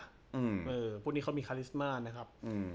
ทีนี้เขามีฮาริสม่าย